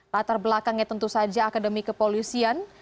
latar belakangnya tentu saja akademi kepolisian